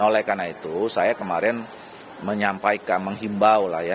oleh karena itu saya kemarin menyampaikan menghimbau